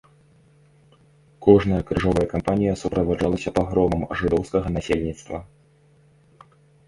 Кожная крыжовая кампанія суправаджалася пагромам жыдоўскага насельніцтва.